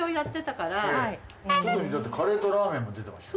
外にだってカレーとラーメンも出てましたよね。